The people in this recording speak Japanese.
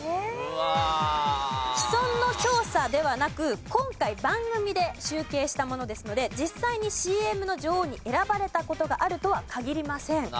既存の調査ではなく今回番組で集計したものですので実際にＣＭの女王に選ばれた事があるとは限りません。